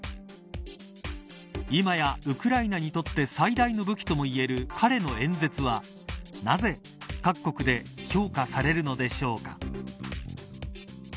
今やウクライナにとって最大の武器ともいえる彼の演説はなぜ各国で評価されるのでしょうか。